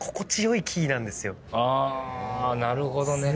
あなるほどね。